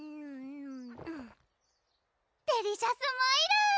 デリシャスマイル！